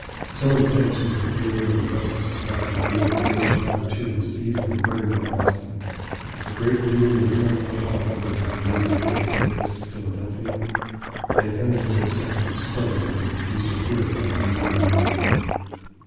So intense was the feeling that a vessel suspected of being a British privateer was seized and burned at Boston, a great meeting in Faneuil Hall ordered a committee to take a protest to Philadelphia, and Hamilton himself was stoned and refused a hearing at a meeting in New York.